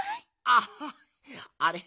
あっあれ？